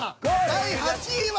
第８位は。